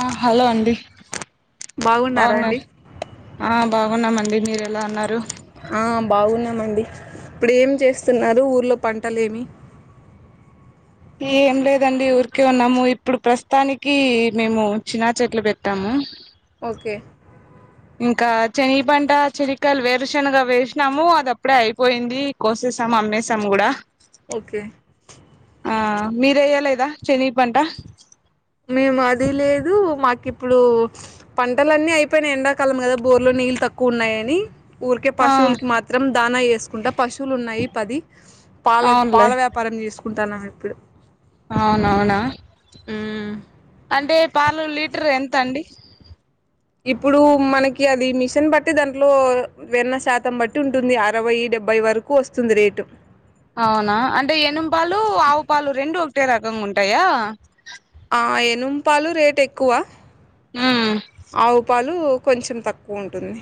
ఆ హలో అండి బాగున్నారా ఆ బాగున్నామండి మీరు ఎలా ఉన్నారు ఆ బాగున్నామండి ఇప్పుడు ఏమి చేస్తున్నారు ఊర్లో పంటలేం ఏం లేదండి ఊరికే ఉన్నాము ఇప్పుడు ప్రస్తుతానికి మేము చినా చెట్లు పెట్టాము ఓకే ఇంకా చెనిపంట చెలికాయలు వేరుశనగా వేసినాము అది అప్పుడే అయిపోయింది కోస సమ్ అమ్మేసాం కూడా ఓకే మీరు వెయ్యలేదా చనిగిపంట మేము అది లేదు మాకు ఇప్పుడు పంటలన్నీ అయిపోయినాయి ఎండాకాలం కదా బోర్లో నీళ్ళు తక్కువ ఉన్నాయని ఊరికే ఆ పశువులకి మాత్రం దానా ఏసుకుంటా పశువులు ఉన్నాయి పది. పాల అవునులే పాల వ్యాపారం చేసుకుంటాన్నాం ఇప్పుడు. అవునవునా? మ్మ్. టే పాలు లీటర్ ఎంత అండి? ఇప్పుడు మనకి అది మిషన్ బట్టి దాంట్లో వెన్న శాతం బట్టి ఉంటుంది అరవై డెబ్ డెబ్బై వరకు వస్తుంది రేటు. అవునా అంటే ఎనుమ్ పాలు ఆవు పాలు రెండు ఒకటే రకంగా ఉంటాయా? ఆ ఎనుమ్ పాలు రేట్ ఎక్కువ. ఉమ్ ఆవు పాలు కొంచెం తక్కువ ఉంటుంది.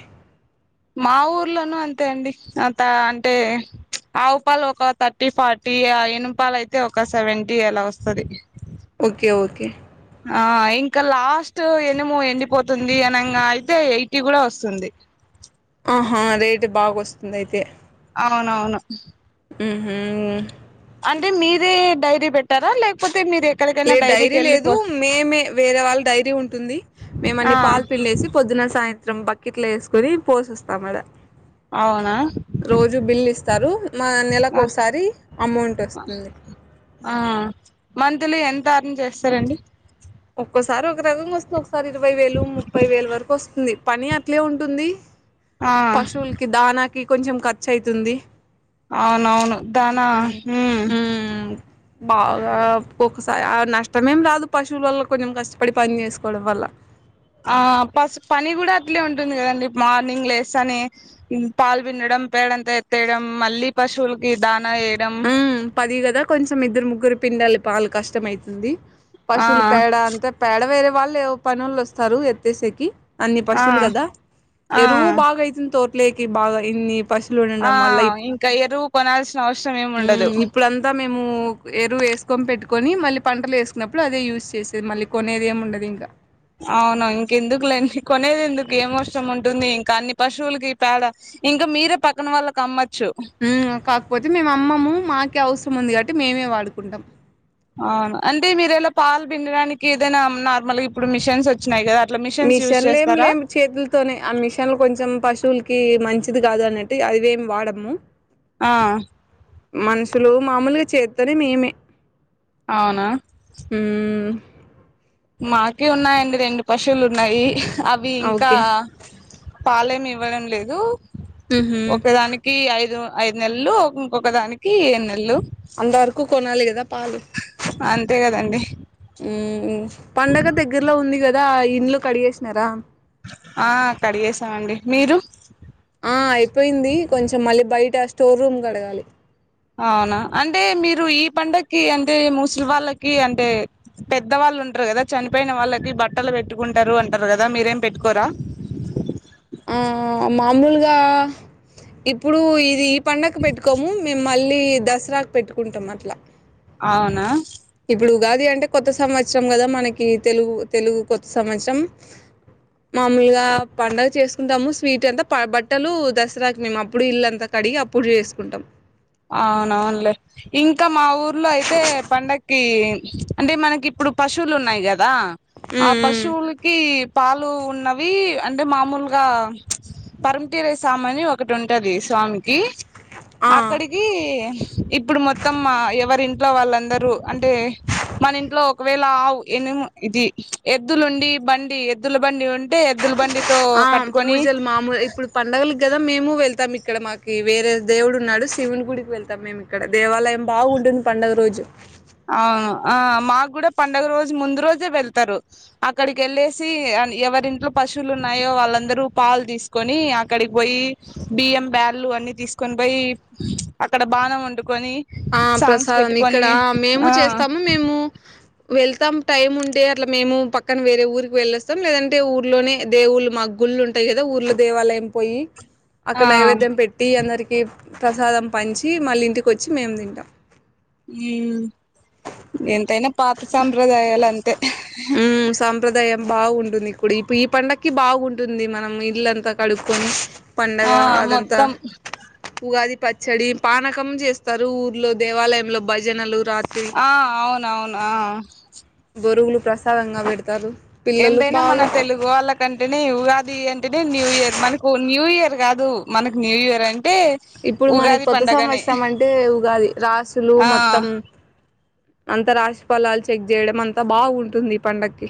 మా ఊర్లోనూ అంతే అండి అంతా అంటే ఆవు పాలు ఒక థర్టీ ఫార్టీ ఆ ఎనుమ్ పాలు అయితే ఒక సెవెంటీ అలా వస్తది. ఓకే ఓకే ఆ ఇంకా లాస్ట్ ఎనుము ఎండిపోతుంది అనంగా అయితే ఎయిటీ కూడా వస్తుంది. అహా రేట్ బాగా వస్తుంది అయితే. అవునవును. ఊ హూమ్ అంటే మీరే డైరీ పెట్టారా లేకపోతే మీరె లేదు డైరీ లేదు. మేమే వేరే వాళ్ళ డైరీ ఉంటుంది. ఆ మేమన్ని పాలు పిల్లేేసి పొద్దున సాయంత్ త్రం బకెట్లో వేసుకోని పోసొస్తాం ఆడ. అవునా రోజు బిల్లు ఇస్తారు. మా నెలకు ఆ ఒకసారి అమౌంట్ వస్తుంది. తారణ చేస్తరండి. ఒక్కోసారి ఒక రకంగా వస్తుంది ఒకసారి ఇరవై వేలు ముప్పై వేలు వరకు వస్తుంది. పని అట్లే ఉంటుంది ఆ పశువులకి దానాకి కొంచెం ఖర్చు అయితుంది. అవునవును దానా మ్మ్ హ్మ్ బాగా ఒక్కొక్కసారి ఆ నష్టమేం రాదు పస్ స్ట్ [unintelligible] ల్ల కొంచెం కష్టపడి పని చేసుకోవడం వల్ల ఆ పసు పని కూడా అట్లే ఉంటుంది కదండి. మార్నింగ్ లేస్తేనే మ్ పాలు పిండడం డం పేడంత ఎత్తేయడం మళ్ళీ పశువులకి దానా వేయడం. హ్మ్ పది కదా కొంచెం ఇద్దరు ముగ్గురు పిండాలి పాలు కష్టం అయితుంది. ఆ పశువులు పేడ అంత, పేడ వేరే వాళ్ళు పనోళ్లు వస్తారు ఎత్తేసేకి. అన్నీ ఆ పశువులు గదా ఆ ఎరువు బాగా అయితుంది తోటలోకి బాగా ఇన్ని పశువులు ఆ ఉండడం వల్ల ఇప్ ఇంకా ఎరువు కొనాల్సిన అవసరం హ్మ్ ఏముండదు. ఇప్పుడంతా మేము ఎరువు వేసుకొని పెట్టుకొని మళ్ళీ పంటలు వేసుకున్నప్పుడు అదే యూజ్ చేసేది. మళ్ళీ కొనేది ఏమి ఉండదు ఇంకా. అవును ఇంకెందుకు లేండి. కొనేది ఎందుకు ఏం అవవసరం ఉంటుంది. ఇంక అన్ని పశువులకి పేడ ఇంకా మీరే పక్కన వాళ్ళ కి అమ్మచ్ ఉమ్ కాకపోతే మేము అమ్మము. మాకే అవసరం ఉంది కాబట్టి మేమే వాడుకుంటాం. అవును అంటే మీరేలా పాలు పిండడానికి ఏదైనా నార్మల్గా ఇప్పుడు మిషన్స్ వచ్చినాయి గదా మిషన్లు ఏం లేం చేతులతోనే ఆ మిషన్లు కొంచెం పశువులకి మంచ్ ఇది కాదు అన్నట్టు అవేం వాడము. ఆ మనుషులు మామూలుగా చేత్తోనే మేమే. అవునా హ్మ్. మాకి ఉన్నాయండి రెండు పశువులు ఉన్నాయి. అవి ఇంకా ఓకే. పాలేమి ఇవ్వడం లేదు హుహు. ఒకదానికి ఐదు. ఐదు నెల్లు ఇంకొక దానికి ఏడు నెల్లు అంత వరకు కొనాలి గదా పాలు అంతే కదండి పండగ దగ్గర్లో ఉంది గదా, ఇండ్లు కడిగేసినరా. ఆ కడిగేసామండి. మీరు? ఆ అయిపోయింది. కొంచెం మళ్ళీ బయట స్టోర్ రూమ్ కడగాలి. అవునా అంటే మీరు ఈ పండకి అంటే ముస్లి వాళ్ళకి అంటే పెద్దవా వాళ్ళు ఉంటారు కదా చనిపోయిన వాళ్ళకి బట్టలు పెట్టుకుంటారు అంటారు కదా మీరేం పెట్టుకోరా ఆహ్ మామూలుగా ఇప్పుడు ఇది పండకి పెట్టుకోము మేం మళ్ళీ దసరాకు పెట్టుకుంటాం అట్లా అవునా ఇప్పుడు ఉగాది అంటే కొత్త సంవత్సరం కదా మనకి తెలు తెలుగు కొత్త సంవత్సరం మామూలుగా పండుగ చేసుకుంటాము స్వీట్ అంతా బట్టలు దసరాకి మేము అప్పుడు ఇలాంతా కడ్ కడిగి అప్పుడు చేసుకుంటాం. అవునవునులే ఇంకా మా ఊర్లో అయితే పండక్ కి అంటే మనకి ఇప్పుడు పశువులు ఉన్నాయి కదా ఆ మ్మ్ మ్మ్ పశువులకి పాలు ఉన్నవి అంటే మామూలుగా పరమ తీవేపయ స్వామ అని ఒకటి ఉంటది స్వామికి కి ఆ అక్కడికి ఇప్పుడు మొత్తం ఎవరి ఇంట్లో వాళ్ళందరూ అంటే మన ఇంట్లో ఒకర్ వేల ఆవు ఎనమ్ ఇది ఎద్దులుండి బండి ఎద్దుల బండి ఉంటే ఎద్దుల బండి ఆ పూజలు మామూలు ఇప్పుడు పండగలక్ గద మేము వెళ్తాం. ఇక్కడ మాకి వేరే దేవుడు ఉన్నాడు శివుని గుడికి వెళ్తాం మేము ఇక్కడ దేవాలయం బావ్గుడ్డును పండగ రోజు అవును ఆ మాకు కూడా పండుగ రోజు ముందు రోజే వెళ్తారు అక్కడికి ఎళ్ళేసి ఎవరింట్లో పశువులు ఉన్నాయో వాళ్ళందరూ పాలు తీసుకొని అక్కడికి పోయి బియ్యం బ అన్ని తీసుకొని పోయి అక్కడ బానం వండుకొని ఆహ్ సాంగ్స్ ప్రసాదం ఇక్కడ పెట్టుకొని మేము ఆ చేస్తాము మేము వెళ్తాం టైం ఉంటే అట్లా మేము పక్కన వేరే ఊరికి వెళ్ళొస్తాం లేదంటే ఊర్లోనే దేవుళ్ళలు మాక్ గుళ్ళు ఉంటాయి కదా ఊర్ళ దేవాలయం పోయి అక్కడ ఆ నైవేద్యం పెట్టి అందరికి ప్రసాదం పంచి మళ్ళ ఇంటికి వచ్ మేము తింటాం ఉహ్మ్ ఎంతైనా పాత సాంప్రదాయాలు అంతే ఉమ్ సాంప్రదాయం బాగుంటుంది పుడి ఇప్ ఈ పండకి బాగుంటుంది మనం ఇల్లంతా కడుక్కొని పండగ ఆ అదంతా మొత్తం ఉగాది పచ్ చెడి పానకం చేస్తారు ఊర్లో దేవాలయంలో భజనలు రాత్ ఆహ్ అవున అవునా ఆహ్ బొరుగులు ప్రసాదంగా పెడతారు పిల్లలు ఎంతైనా మన బాగా తెలుగు వాళ్ళ కంటేనే ఉగాది అంటే ఎంటిది న్యూ ఇయర్ మనకు న్యూ ఇయర్ కాదు మనకు న్యూ ఇయర్ అంటే ఇప్పుడు మనకి ఉగాది కొత్త పండగనే సంవత్సరం అంటే ఉగాది రాసులు ఆ మొత్తం అంత రాసిి ఫలాలు చెక్ చేయడం అంతా బాగుంటుంది ఈ పండక్కి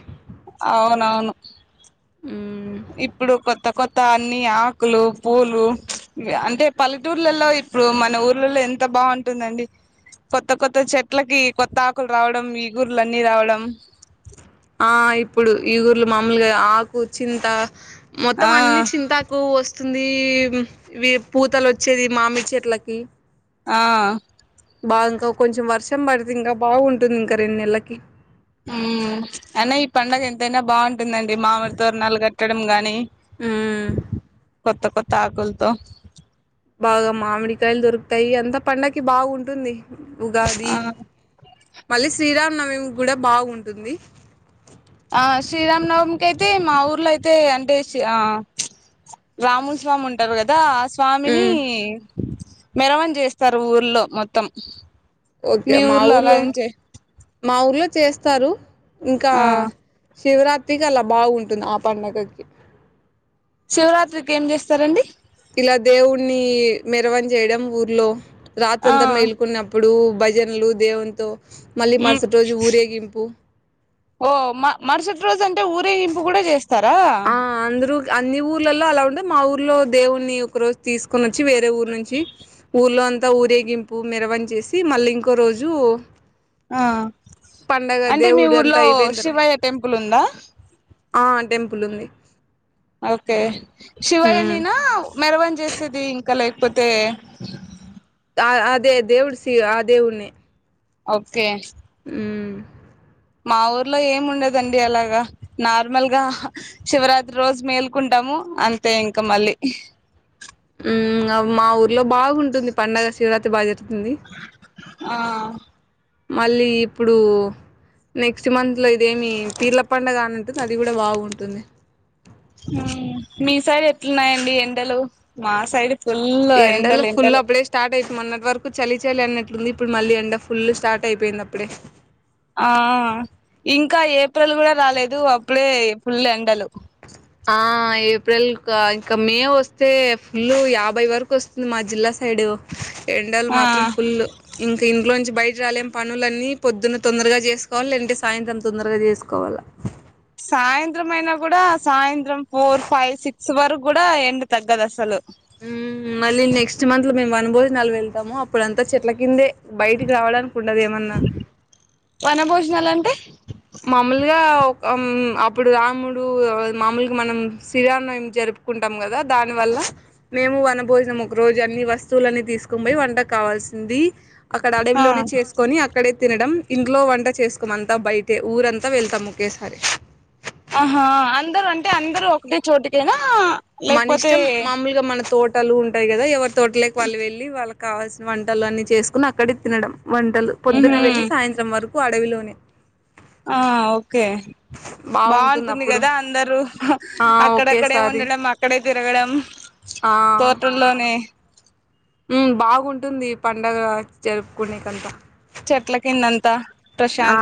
అవునవును మ్మ్. త్తాన్ని ఆకులు పూలు అంటే పల్లెటూర్లలో ఇప్పుడు మన ఊర్లలో ఎంత బాగుంటుందండి కొత్త కొత్త చెట్లకి కొత్త ఆకులు రావడం ఈగుర్లున్నీ రావడం ఆ ఇప్పుడు ఈ ఊర్ళ మామూలుగా ఆకు చింతా మొత్తం ఆ అన్నిీ చింతాకు వస్తు వస్తుంది వ పూతలు వచ్చేది మామి చెట్లకి ఆ బాగా ఇంకా కొంచెం వర్షం పడితే ఇంకా బాగుంటుంది ఇంకా రెండు నెలలకి ఉ అయినా ఈ పండుగ ఎంతయినా బాగుంటుందండి మామిడితోోరణాలు కట్టడం గాని ఆ కొత్త కొత్త ఆకులుతో బాగా మామిడికాయలు దొరుకుతాయి అంతా పండకి బాగుంటుంది ఉగాది ఆ మళ్ళీ శ్రీరాం నవిమి కూడా బాగుంటుంది ఆ శ్రీరామనవమికి అయితే మా ఊర్లో అయితే అంత దేశీ ఆ రాముల్ స్వామి ఉంటార్ గాదా. ఆ స్వామిని ఉమ్ మెరవం చేస్తారు ఊర్లో మొత్తం. ఓకే మీ మా అలా ఊర్లో. ఏం చే మా ఊర్లో చేస్తారు. ఇంకా ఆ శివరాత్రికి అలా బాగుంటుంది. ఆ పండగకి శివరాత్రికి ఏం చేస్తారండి? ఇలా దేవున్ణి మెరవన్ చేయడం ఊర్లో. రాత్రి ఆ అంతా మేల్కున్నప్పుడు. భజన్లు దేవున్తో ఉమ్ ఓ మ మరుసటి రోజు అంటే. ఊరేగింపు కూడా. చేస్ ఆ అందరుూ అన్ని ఊర్లలో అలా ఉంటే. మా ఊర్లో దేవుణ్ని ఒక రోజు తీసుకోనోచ్ చ్చి వేరే ఊర్ నుంచి ఊర్లో అం త ఊరేగింపు మెరవన్ చేసి. మళ్ళీ ఇంకో రోజు ఆ పండగ అంటే మీ దేవుడు అంతా ఊర్లో అయిపోయిన తర్వాత శివయ్య టెంపుల్ ఉందా? ఆ టెంపుల్ ఉంది. ఓకే ఉమ్ శివయ్యనేనా మెరవన్ చేస్ సేది ఇంకా లేక్పోతే. ఆ అదే దే దేవుడు సి ఆ దేవున్నే ఓకే హ్మ్ మా ఊర్లో ఏమి ఉండదండి అలాగా. నార్మల్గా శివరాత్రి రోజు మేల్కుంటా ము అంతే ఇంకా మళ్ళీ ఉంగ మా ఊర్లో బాగుంటుంది పండగ. శివరాత్రి బాగ్ జ ఆహ్ మళ్ళీ ఇప్పుడు నెక్స్ట్ మంత్ లో ఇదేమి పీర్ల పండగని ఉంటుంది, అది కూడా బాగుంటుంది. ఉహ్మ్ మీ సైడ్ ఎట్లున్నాయండి ఎండలు? మా సైడ్ ఫుల్ ఎండల్ ఎండలు ఫుల్ ఎండలు అప్డే స్టార్ట్ అయి మొన్నాట్ వర్క్ కు చలి చలి అన్నట్లుంది. ఇప్పుడు మళ్ళీ ఎం ఫుల్ స్టార్ట్ అయిపోయింది అప్పుడే. ఆ ఇంకా ఏప్రిల్ గూడా రాలేదు. అప్పుడే ఫుల్ ఎండలు ఆ ఏప్రిల్ క ఇంకా మే ఒస్తే. ఫుల్లు యాభై వరకు వస్తుంది. మా జిల్లాస్ సైడు ఎండలు ఆ మాత్రం ఫుల్లు. ఇంక ఇంట్లో నుంచి బయజలేం పనులన్నీ పొద్దున్న తొందరగా చేసుకోవాల్ లేదంటే. సాయంత్రం తొందరగా చేసుకోవాల్ల. సాయంత్రం అయినా కూడా. సాయంత్రం ఫోర్, ఫైవ్, సిక్స్ వరక్ గూడా. ఎండ తగ్గదు అసలు ఉమ్మ్ మళ్ళి నెక్స్ట్ మంత్ మేము వన భోజనాలు వెళ్తాము, అప్పుడంతా చెట్ల కిందే. బయటిక్ రావడానికి ఉండద్ ఏమన్నా. వనభోజనాలు అంటే మాముల్గా ఒక్ ఆమ్ అప్పుడు రాముడు మామూల్గా మనం. శ్రీరాంనవ్మి జరుప్ ప్పుకుంటాం గదా. దాని వల్ల మేము వన భోజనం ఒక రోజు అన్ని వస్తులన్ తీసుకొంబోయి వంట కావాల్సింది. అక్కడ ఆ అడవిలోనే చేసుకొని అక్కడే తినడం. ఇంట్లో వంట చేసుకోము అంతా బయిట్ టె ఊరంతా వెళ్తాము ఒకేసారి. ఆహా అందరు అంటే అందరూ ఒకటే చోటికేనా? మన ఇష్టం. మామూలుగా మన తోటలు ఉంటాయి గదా. ఎవరి తోటలక్ వాళ్ళు వెళ్ళి వాళ్ళ కావాల్సిన వంటలు అన్ని చేసుకుని అక్కడే తినడం, వంటలు. ఉహు పొద్దున వెళ్ళి సాయంత్రం వరక్ అడవిలోనే ఆ ఒక్ ఒకే బాగుంటుంది గదా. అందరు ఆ అక్కడక్కడే ఒకేసారి వండలం అక్కడే తిరగడం ఆ తోటల్లోనే ఉమ్ బాగుంటుంది పండగ జరుపుకునేకంతా చెట్లకిిందంతా ఆ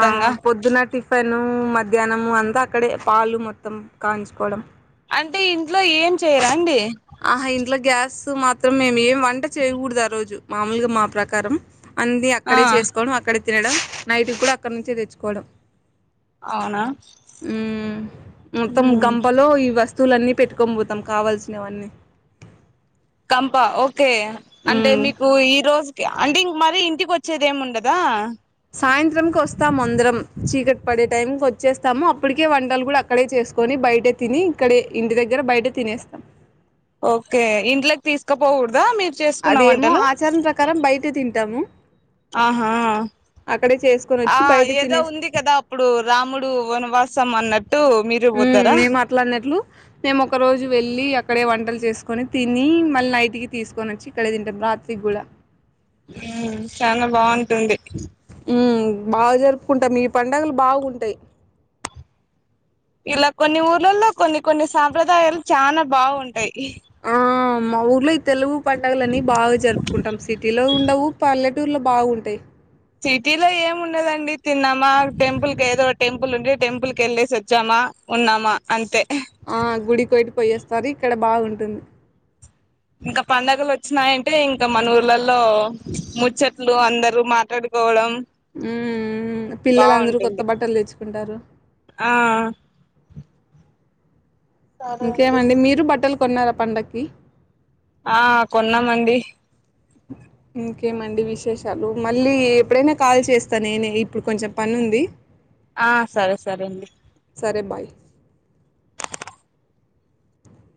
పొద్దున టిఫెను‌ మద్ ధ్యనము అంతా అక్కడే పాలు మొత్తం. కాంచుకోడం అంటే ఇంట్లో ఏం చేయరా అండి తు మాత్రం మేము ఏం వంట చేయకూడదు ఆ రోజు మామూలుగా మా ప్రకారం అన్ని ఆ అక్కడే చేసుకోడం అక్కడే తినడం నైట్ కు కూడా అక్కడ నుంచే తెచ్చుకోవడం అవునా ఉ మొత్తం ఉమ్ గంపలో ఈ వస్త వస్తువులన్నీ పెట్టుకోం బోతాం కావల్సినవన్నీ గంప ఒకే అంటే మీకు ఈ రోజు అంటే ఇంక మరి ఇంటికోచ్చేది ఏమి ఉండదా సాయంత్రంకి వస్తాము అందరం చీకటి పడే టైంకి వచ్చేస్తాము అప్పటికే వంటలు కూడా అక్కడే చేసుకొని బయటే తిని ఇక్కడే ఇంటి దగ్గర బయటే తినేస్తాం ఒకే ఇంట్లోకి తీసుకపోకూడదా మీరు చేసుకున్న అదేమో వంటలు ఆచారం ప్రకారం బయట తింటాము ఆహా అక్కడే చేసుకొని ఆ వచ్చి బయట ఏదో తినేస్తాం ఉంది కదా అప్పుడు రాముడు వనవాసం అన్నట్టు మీరు హ్మ్ పోతారా మే మాట్లాడినట్లు మేము ఒక రోజు వెళ్ళి అక్కడే వంటలు చేసుకొని తిని మళ్ళ నైట్ కు తీసుకొని వచ్చి ఇక్కడే తింటాం రాత్రికి కూడా ఊ చాలా బాగుంటుంది ఉ బా జరుపుకుంటాం ఈ పండుగలు బాగుంటాయి ఇలా కొన్ని ఊర్లలో కొన్ని కొన్ని సాంప్రదాయాలు చానా బాగుంటాయి ఆ మా ఊర్లో ఈ తెలుగు పండుగలు అన్నీ బాగా జరుపుకుంటాం సిటీలో ఉండవు పల్లె ట్టూరులో బాగుంటాయి సిటీలో ఏం ఉండదండి తిన్నమా టెంపుల్ కేదో టెంపుల్ ఉండే టెంపుల్ కి వెళ్ళేసి వచ్చామా ఉన్నామా అంతే ఆ గుడి కి కొటి పోయేస్తారు ఇక్కడ బాగుంటుంది ఇంకా పండగలు వచ్చినాయంటే ఇంకా మన ఊర్లలో ముచ్చట్లు అందరు‌ మాట్లాడు ఉ ఉ పిల్లలందరూ కొత్త బాగుంటుంది బట్టలు తెచ్చుకుంటారు ఆ సరే అండి ఇంకేమండి మీరు బట్టలు కొన్నారా పండక్కి ఆ కొన్నామండి [inaudible] ఇంకేమండి విశేషాలు మళ్ళీ ఎప్పుడైనా కాల్ చేస్తా నేనే ఇప్పుడు కొంచెం పని ఉంది ఆ సరే సరే అండి సరే బాయ్